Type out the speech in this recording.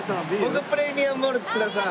僕プレミアム・モルツください。